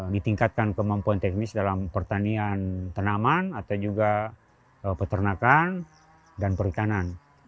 ditingkatkan kemampuan teknis dalam pertanian tanaman atau juga peternakan dan perikanan